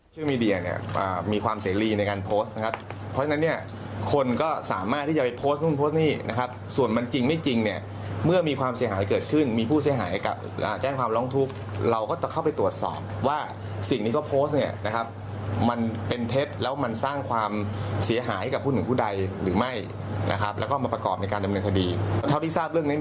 ชื่อมีเดียเนี่ยมีความเสียรีในการโพสต์นะครับเพราะฉะนั้นเนี่ยคนก็สามารถที่จะไปโพสต์นู่นโพสต์นี่นะครับส่วนมันจริงไม่จริงเนี่ยเมื่อมีความเสียหายเกิดขึ้นมีผู้เสียหายกับแจ้งความร้องทุกข์เราก็จะเข้าไปตรวจสอบว่าสิ่งนี้ก็โพสต์เนี่ยนะครับมันเป็นเท็จแล้วมันสร้างความเสียหายกับผู้